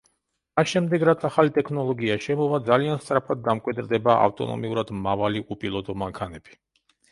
მას შემდეგ, რაც ახალი ტექნოლოგია შემოვა, ძალიან სწრაფად დამკვიდრდება ავტონომიურად მავალი, უპილოტო მანქანები.